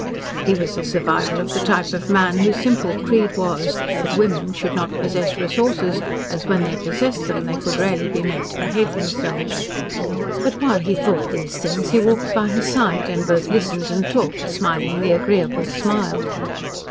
He was a survival of the type of man whose simple creed was that women should not possess resources, as when they possessed them they could rarely be made to behave themselves. But while he thought these things, he walked by her side and both listened and talked smiling the agreeable smile.